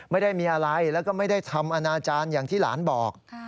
ไม่ได้มีอะไรแล้วก็ไม่ได้ทำอนาจารย์อย่างที่หลานบอก